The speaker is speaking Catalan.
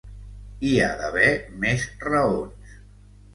Hi ha d’haver més raons.